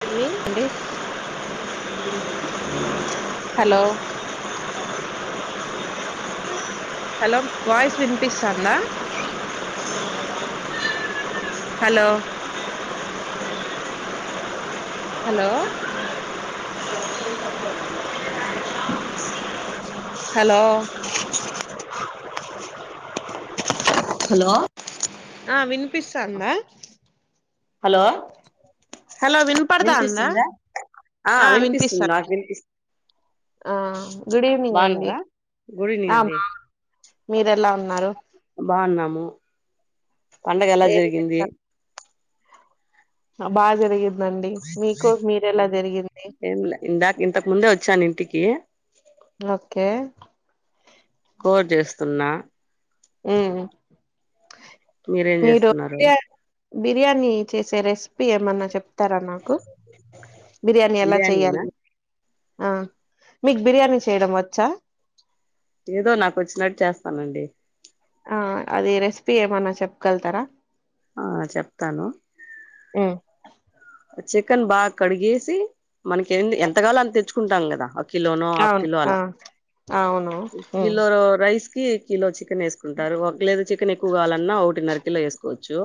పిన్ని అండి hello hello voice వినిపిస్తుందా హలో హలో హలో హలో ఆ వినిపిస్తాందా హలో హలో వినపడతాందా వినిపిస్తుందా ఆ వినిపిస్తుంది వినిపిస్తోంది నాకు వి వినిపిస్తు ఆ గుడ్ ఈవనింగ్ అండి బాగున్నారా గుడ్ ఈవినింగ్ ఆ అండి బా మీరేఎలా ఉన్నారు బాగున్నాము పండగ ఎలా ఏం జరిగింది అబ్బా జర చే ఏం లే ఇందాక ఇంతకు ముందే వచ్చాను ఇంటికి ఓకే కోడ్ చేస్తున్నా ఉహు మీరే ఎం చేస్తున్నారు బిర్యానీ చేసే రెసిపీ ఏమన్నా చెప్ చెప్తారా నాకు బిర్యానీ ఎలా బిర్యానీనా చెయాలి ఆ మీకు బిర్యానీ చేయడం వచ్చా ఏదో నాకు వచ్చినట్టు చేస్తానండి ఆ అది రెసిపీ ఏమన్నా చెప్పగలుతారా ఆ చెప్తాను హు చికెన్ బాగా కడిగేసి మనకి ఎ ఎంత గావాలో అంత తెచ్చుకుంటాం కదా కిలోను ఆఫ్ అవును కిలోను ఆ అలా అవును ఉమ్ కిలో ర రైస్ కిలో చికెన్ వేసుకుంటారు ఒక లేదు చికెన్ ఎక్కువ కావాలన్నా ఒకటిన్నర కిలో వేసుకోవచ్చు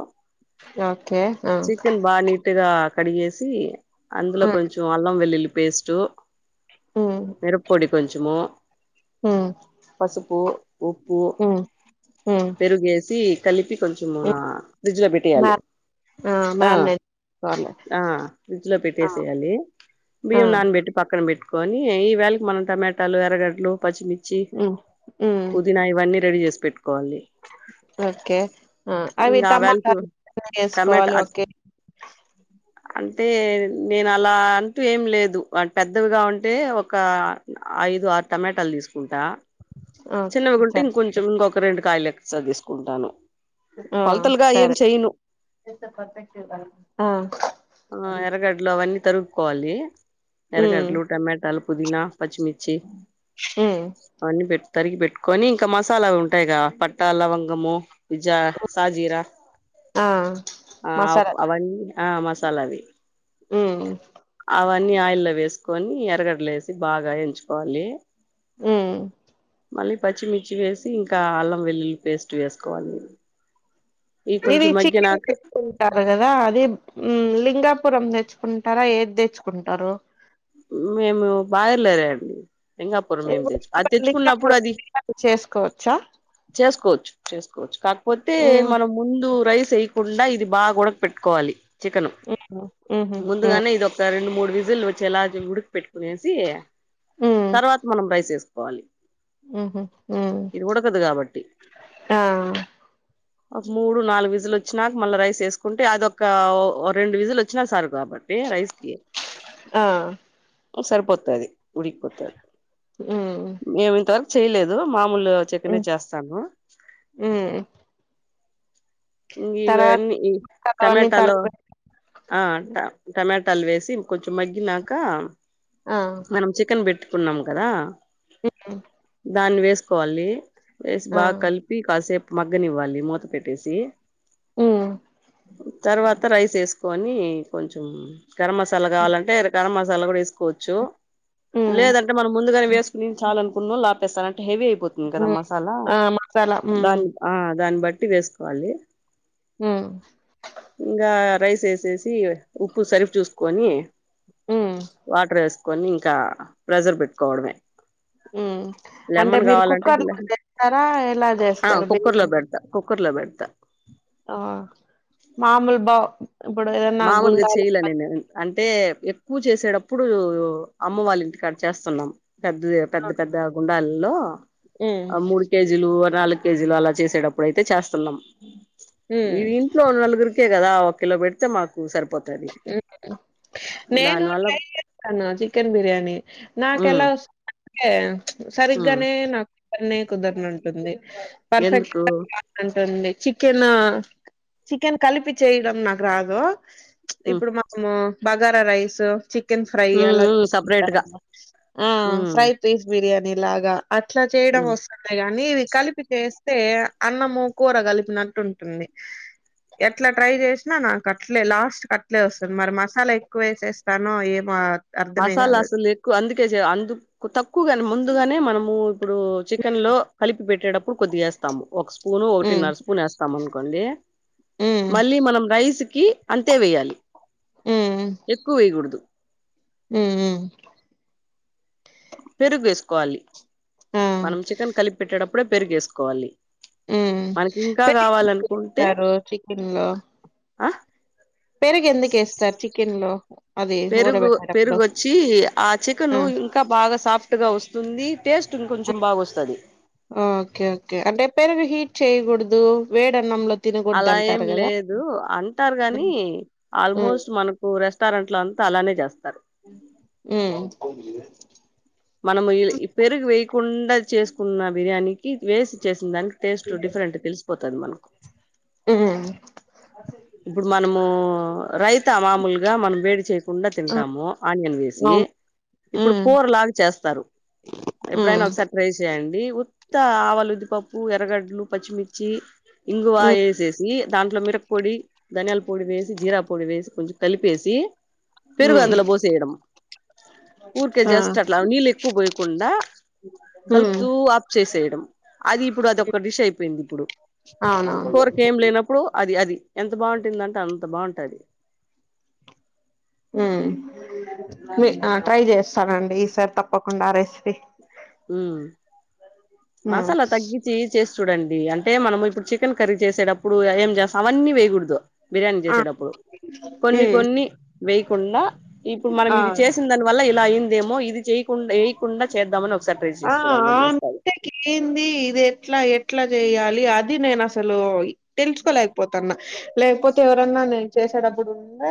ఓకే ఆ చికెన్ బా నీటుగా కడిగేసి అందులో ఉమ్ కొంచెం అల్లం వెల్లుల్లి పేస్టు ఉమ్ మిరపొడి కొంచము ఉమ్ పసుపు ఉప్పు ఉమ్ ఉమ్ పెరుగేసి కలిపి కొంచెం ఉమ్, ఫ్రిడ్జ్ లో మ్యా పెట్టేయాలి ఆ మారినట్ ఆ ఫ్రిడ్జ్ లో పెట్టేసేయాలి ఆ బియ్యం నాన్నబెట్టి పక్కన పెట్టు కని ఈ వేళకి మనం టమాటాలు ఎర్రగడ్లు పచ్చిమిర్చి ఉమ్ ఉమ్ పుదీనా ఇవన్నీ రెడీ చేసి పెట్టుకోవాలి ఓకే అవి ఇంకా ఆ వేళకి టమాటాలు చేసుకోవాలి టమాటా ఓకే అంటే నేను అలా అంటూ ఏం లేదు పెద్దవిగా ఉంటే ఒక ఐదు ఆరు టమాట టలు తీసుకుంటా ఆ చిన్నవి గుంటే సరే ఇంకొంచెం ఇంకొక రెండు కాయలులెక్ తీసుకుంటాను ఆ కొలతలుగా ఏం సరే చెయను ఆ ఆ ఎర్రగడ్డలు అవన్నీ తరుగుకోవాలి ఉమ్ ఎర్రగడ్లు టమాటాలు పుదీనా పచ్చిమిర్చి ఉమ్ అవన్నీ పెట్ తరిగి పెట్టుకొని ఇంకా మసాలావి ఉంటాయి గా పట్టా లవంగము జ సాజీరా ఆ ఆ మసాలా అవన్నీ ఆ మసాలాది ఉమ్ అవన్నీ ఆయిల్లో వేసుకొని ఎరగడలు వేసి బాగా ఎంచుకోవాలి ఉమ్ మళ్ళీ పచ్చిమిర్చి వేసి ఇంకా అల్లం వెల్లుల్లి పేస్ట్ వేసుకోవాలి ఇవి ఇది కొంచెం చికెన్ మగ్గినాక పెట్కుంటారు కదా అది లింగా పురం తెచ్చుకుంటారా ఏది తెచ్చుకుంటారు మేము బయలేరే అండి లింగాపురం ఏం తెచ్చ అది తెచ్చుకున్నప్పుడు లింగాపురం అది బిర్యానీ చేసుకోవచ్చా చేసుకోవచ్చు చేసుకోవచ్చు కాకపోతే ఉమ్ మనం ముందు రైస్ వేయకుండా ఇది బాగా ఉడకబెట్టుకోవాలి చికెన్ ఉమ్ ఉహు ఉమ్ ముందుగానే ఇది ఒక రెండు మూడు విజిల్ వచ్చేలాగా ఉడికి పెట్టుకునేసి తర్వాత మనం రైస్ వేసుకోవాలి ఉ హ్మ్ ఉ ఇది ఉడకదు కాబట్టి ఆ ఒక మూడు నాలుగు విజులు వచ్చినాక మళ్ళా రైస్ వేసుకుంటే అదొక రెండు విజులు వచ్చినా సారు కాబట్టి రైస్కి ఆ సరిపోతది ఉడికిపోతది ఉమ్ మేమింతవరకు చేయలేదు మా మామూల్ చికెనే ఉమ్ చేస్తాను ఉమ్ ఇంక తర్వాత ఇవన్నీ ఇ అవన్నీ టమటలో తరిగి పెట్ ఆ టమట ట్టలు వేసి కొంచెం మగ్గినాక ఆ మనం చికెన్ పెట్టుకున్నాం కదా బిర్యానీ దాన్ని వేసుకోవాలి వేసి బాగా కలిపి కాసేపు మగ్గని ఇవ్వాలి మూత పెట్టేసి ఉమ్ తర్వాత రైస్ వేసుకొని కొంచం గరం మసాలా కావాలంటే గరం మసా కూడా వేసుకోవచ్చు ఉమ్ లేదంటే మనం ముందుగానే వేసుకుని చాలు అనుకున్నాలాపేస్తానంట హెవీ అయిపోతుంది కదా ఉమ్ మసాలా ఆ మసాలా ఉమ్ దాన్ని ఆ దాన్ని బట్టి వేసుకోవాలి ఉమ్ ఇంకా రైస్ వేసేసి ఉప్పు సరిఫ్ చూసుకొని ఉమ్ వాటర్ వేస్త కని ఇంకా ప్రెజర్ పెట్టుకోవడమే ఉమ్ అంటే లెమన్ మీరు కావాలంటే కుక్కర్ లో చేస్తారా ఎలా చేస్తారు కుక్కర్లో బిర్యానీ పెడతా కుక్కర్లో పెడతా త ఆ మాముూలు బా మామూలుగా చెయలే నేను అంటే ప చేసేటప్పుడు అమ్మ వాళ్ళ ఇంటి కట్ చేస్తున్నాం పెద్ద పెద్ద పెద్ద గుంలు లో ఉమ్ మూడు కేజీలు నాలుగు కేజీలు అలా చేసేటప్పుడు అయితే చేస్తున్నాం ఉమ్ ఇ ఇంట్లో నలుగురికా కదా ఒక కిలో పెడితే మాకు సరిపోతుంది నేను ట్రై చేస్తాను చికెన్ బిర్యానీ ఉమ్ నాకుెలా వస్తుంది అే ఉమ్ సరిగ్గానే నాకు అ కుదరనింటుంది ఎందుకు పర్ఫెక్ట్ంటుంది చికెన్ చికెన్ కలిపి చేయడం నాకు రాదు ఉమ్ ఇప్పుడు మనము బగారా రైస్ చికెన్ ఫ్రై ఉమ్ అలా ఉమ్ చేసుకుంట సపరేట్ గా ఆ ఉమ్ ఫ్రై పీస్ బిర్యానీ లాగా అట్లా చేయడం ఉమ్ వస్తుందియి కాగాని కలిపి చేస్తే అన్నము కూర కలిపినట్టు ఉంటుంది ఎట్లా ట్రై చేసినా నా కట్టలేదు లాస్ట్ క అట్లే వస్తుంది మరి మసాలా ఎక్కువ వేసేస్తానుో ఏమ మసాలా అసలు ఎక్కువ అందుకే అందుకు తక్కువగా ముందుగానే మనము ఇప్పుడు చికెన్ లో కలిపి పెట్టేటప్పుడు కొద్దిగాేస్తాము ఒక స్పూన్ హ్మ్. ఒకటిన్నర స్పూన్ వేస్తాంనుకో అనుకోండి హ్మ్. మళ్ళీ మనం రైస్ కి అంతే వేయాలి ఎక్కువ వకూడదు హ పెరుగు వేసుకోవాలి ఆ! మనం చికెన్ కలిపి పెట్టేటప్పుడే పెరుగు వేసుకోవాలి హ్మ్. మనకి ఇంకా కావాలనుకుంటే పెరిగేస్తారు ఆ పెరుగ ఎందుకుేస్తారు చికెన్ లో పెరుగు పెరుగుొచ్చి ఆ చికెన్ ఆ! ఇంకా బాగా సాఫ్ట్ గా వస్తు ంది టేస్ట్ ఇంకొంచెం బాగా వస్తుంది ఓకే ఓకే అంటే పెరుగు హీట్ చేయ్యకూడదు వేడన్నంలో అలా ఏం తినగూడదంటారు గదా! లేదు అంటారు కాగాని హ్మ్. ఆల్మోస్ట్ మనకు రెస్ట్ రెస్టారెంట్ల అంతా అలానే చేస్తారు హ్మ్మ్ మనం పెరుగు వేయకుండా చేసుకున్న బిర్యానీ వేసి చేసిన దానికి టేస్ట్ డిఫరెంట్ తెలిసిపోతుది మనకు ఆ ఇప్పుడు మనము రైత మామూలుగా మనం వేడి చేసి కుడా ఆ! తింటాము ఆనియన్ వేసి అవును. ఇప్పుడు హ్మ్. కూర లాగా చేస్తారు ఎప్పుడైనా హ్మ్. ఒకసారి ట్రై చెయండి ఉత్త ఆవలు విద్దిపప్పు ఎర్రగడ్లు పచ్చిమిర్చి ఇంగువ హ్మ్. వేసేసి దాంట్లో మిరక్ పొడి ధనియాల పొడి వేసి జీరా పొడి వేసి కొంచెం కలిపేసి హ్మ్. పరుగుందుల పూసయడంము ఊరికే ఆ! జస్ట్ అట్లా నీళ్ళు ఎక్కువ పోయకుండా హ్మ్. కలుపుతూ ఆఫ చేసేయడం అది ఇప్పుడు అదొక డిష్ అయిపోయింది ఇప్పుడు అవునవును. కోరక ఏం లేనప్పుడు అది అది ఎంత బాగుంటుందంటే అంత బాగుంటది మీ ట్రై చేస్తానండి ఈసారి తప్పకుండా ఆ రెసిపీ హ్మ్. మసాలా తగ్గించి చేస్త చూడండి అంటే మనం ఇప్పుడు చికెన్ కర్రీ చేసేటప్పుడు ఏం చేస్తాం అవన్నీ వేయకూడదు బిర్యానీ ఆ! చేసేడుప్పుడు కొన్ని హ్మ్. కొన్ని వేయకుండా ఇప్పుడు మనం ఇది ఆ! చేసిన దాని వల్ల ఇలా అంది ేమో ఇది చేయకుండా చేద్దామని ఒకసారి ట్రై ఆ చేసి చూడండి వస్తాది అంటె గిఏంది ఇది ఎట్లా ఎట్లా జేయాలి అది నేను అసలు తెలుసుకోలేకపోతున్నా లేకపోతే ఎవరన్నా నేన్ చేసేటప్పుడు ఉండ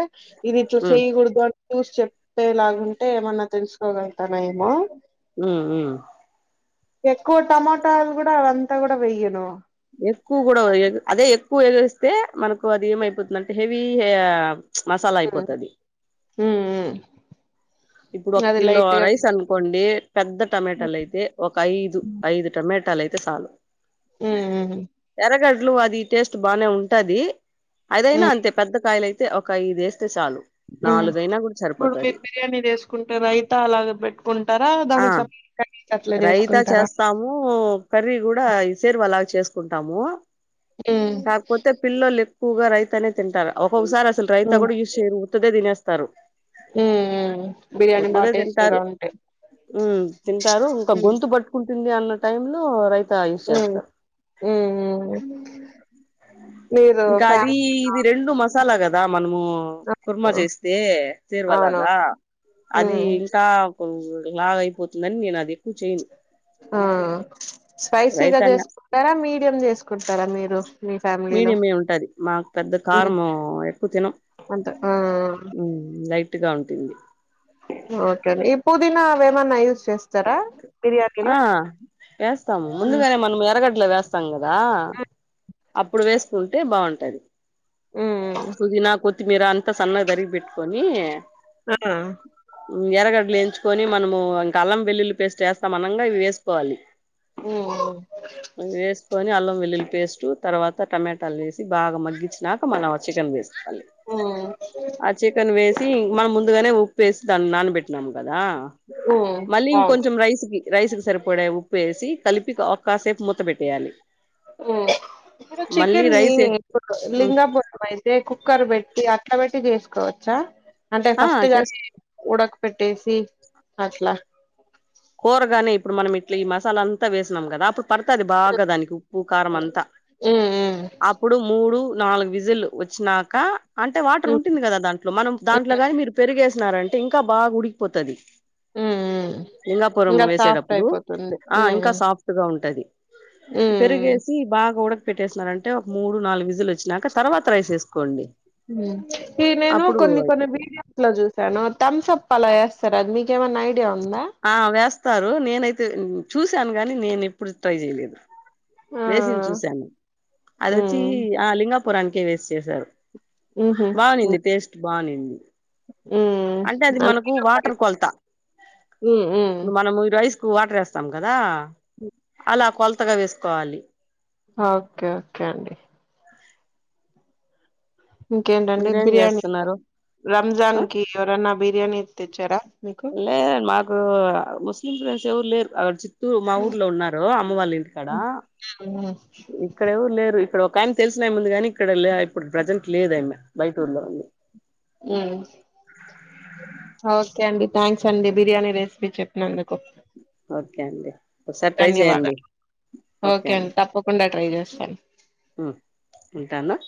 ఇది ఇట్ల ఉమ్ చేయ్ గూడదు అన్ జూసి చె టె లాగుంటే ఏమన్నా తెలుసుకోగలుగుతానేమో ఉమ్ ఉమ్ ఎక్కువ టమాటాలు గుడ అదంతా గుడ వెయ్యను ఎక్కువ్ గూడ వేయద్ అదే ఎక్కువేసేస్తే మనకు అది ఏమైపోతుందమ్టే హెవీ హే మసాలా హ్మ్. అయిపోతది హ్మ్. హ్మ్. ఇప్పుడు అది ఒక్కిలో లైట్‌గా రైస్ అనుకోండి పెద్ద హ్మ్. టమాటాలయితే ఒక ఐదు ఐదు టమట్ టాలయితే సాలు, హ్మ్. హ్మ్. ఎర్రగడ్లు అది టేస్ట్ బానే ఉంటదీ అదయినా హ్మ్. అంతే పెద్ద కాయలయితే ఒక ఐదేస్తే చాలు, నాలుగైనా గుడ సరిపోతది. చేసుకుంటరు రైతాలాగ పెట్టుకుంటారా? ఆ దానికి స అట్ల రైతా జేస్కుంటరా? చేస్తాము కర్రీ గూడ ఈ సేరువలాగ చేస్ కుంటాము హ్మ్. కాకపోతే పిల్లలెక్కువగా రైతానే తింటారు ఒకొక్సారి అసలు రైతా కూడ యూస్ ఉత్తదే తినేస్తారు ఉమ్ ఉమ్ ఉత్తదే తింటారు ఉమ్ తింటారు ఇంక గొంతు పట్టుకుంట్ తుంది అన్న టైమ్ లో రైత్ ఉమ్ ఉమ్, ఉమ్ ఆ ఇంకా అదీ ఇది రెండు మసాలా గదా మనమూ కుర్మ జేస్తే సెరువా అవునవును లాగా ఆ అది ఉమ్ ఇంకా కు లావయిపోతుందని నేనది ఆ స్పైసీగా రైతానే జేసుకుంటారా? మీడియం చేసుకుంటారా మీరు మీ ఫ్యామిలీలో మీడియమే ఉంటది మాకు పెద్ద ఉమ్ కారము ఎక్కువ తినం అంతే ఆ ఉమ్ లైట్ గా ఉంటుంది దిన్నా అవేమన్నా యూస్ ఆ యేస్తాము ఉమ్ ముందుగానే మనం ఎర్రగడ్ డ్లు వేస్తాం గదా అప్పుడు వేసుకుంటే బావుంటది ఉమ్ పుదీనా కొత్తిమీర అంత సన్నగ దరిగిబెట్కొనీ ఆ ఉమ్ ఎరగడ్డలేంచుకొని మనము ఇంక అల్లం వెల్లుల్లి పేస్ట్ ఏస్తామనంగా ఇవి వేసుకోవాలి. ఉమ్ వేస్కొని అల్లం వెల్లులి పేస్ట్ తర్వాత టమాటాలేసి బాగా మగ్గిచినాక మనం చికెన్ వేస్ ఉమ్ ఆ చికెన్ వేసి మనం ముందుగానే ఉప్పేసి దాన్ని నానబెట్టినాం గద్ దా ఉమ్ మళ్ళీ అవును ఇంకొంచెం రైసుకి రైసుకి సరిపోడే ఉప్పేసి కలిపి ఒ కాసేపు మూత పెట్టేయాలి ఇప్పుడు మళ్ళీ చికెన్ని రైస్ ఇప్పు లింగాపురం అయితే కుక్కర్ బేట్టి అట్ల పెట్టి జేస్ కోవచ్చా అంటే ఆ ఫస్ట్ చేస్ దాన్ని ఉడక్ పెట్టేసి అట్లా ట్లీ ఈ మసాలాంతా వేస్నామ్ గదా అప్పుడు పడతది బాగా దానికి ఉప్పు కారమంతా ఉమ్ ఉమ్ అప్పుడు మూడు నాలుగు విజిల్లు వచ్చినాక అంటే వాటర్ ఉమ్ ఉంటుంది గదా దాంట్లో మనం దాంట్లో గాని మీరు పెరిగేస్ నారంటే ఇంక బాగ ఉడికిపోతది ఉమ్ ఉమ్ లింగాపురం ఇంకా సాఫ్ట్ వేసేటప్పుడు అయిపోతుంది ఆ ఇంకా ఉమ్ సాఫ్ట్ గా ఉంటది. ఉమ్ పెరుగేసి బాగ ఉడక్ పెట్టేసినారంటే ఒక మూడు, నాలుగు విజిల్లు వచ్చినాక తర్వాత రైసేసుకోండి. ఈ నేను కొన్ని కొన్ని అయిపోతది వీడియోస్ లో జూసాను థమ్సప్ అలా ఏస్ చ్చర్ అది మీకేమన్నా ఐడియా ఉందా? స్తారు నేనైతే ఉమ్ చూసాను గని నేనెప్పుడు ట్రై జేయలేదు ఆ వేసింది చూశాను అదిఓచ్చి ఉమ్ ఆ లింగాపురానికే వేసి చేసారు ఉహు బా నింది టేస్ట్ బా నింది ఉమ్ అంటే అది అ మనకు వాటర్ కొలతా ఉమ్ ఉమ్ ఇప్పుడు మనం ఈ రైస్ వాటర్ వేస్తాం కదా అలా కొలతగా వేసుకోవాలి ఓకే ఓకే అండి ఇంకేంటండి మీరేం బిర్యానీ చేస్తున్నారు ఆ రంజాన్ కి ఎవరన్నా బిర్యానీ తెచ్చారా మీకు లేదండి మాకు ముస్లిం ఫ్రెండ్స్ ఎవరు లేరు అక్కడ చి తు మా ఊర్లో ఉన్నారు అమ్మ వాళ్ళ ఇంటికాడ మ్మ్ ఇక్కడ ఎవరు లేరు ఇక్కడ ఒక కానీ తెలిసిన ముందుగాని ఇక్కడ లే ఇప్పుడు ప్రజెంట్ లేదమ బయటళ్ళ మ్మ్ ఓకే అండి థ్యాంస్ అండి బిర్యానీ రెసిపీ చెప్పినందుకు ఓకే అండి ఒకసారి ట్రై చెయండి ధన్యవాదాలు ఓకే అండి తప్పకుండా ట్రై చేస్తాను ఉంటానా